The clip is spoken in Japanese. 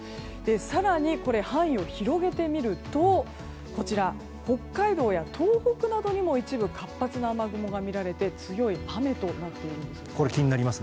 更に範囲を広げてみると北海道や東北などにも一部活発な雨雲がみられて強い雨となっています。